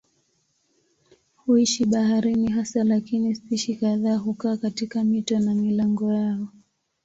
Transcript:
Huishi baharini hasa lakini spishi kadhaa hukaa katika mito na milango yao.